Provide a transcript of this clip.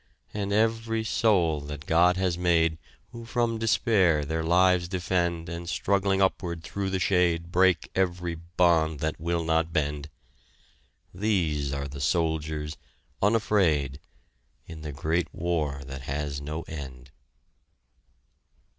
And every soul that God has made, Who from despair their lives defend And struggling upward through the shade, Break every bond that will not bend, These are the soldiers, unafraid In the great war that has no end.